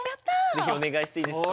是非お願いしていいですか？